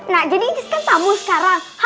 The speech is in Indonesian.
nah jadi ini kan tamu sekarang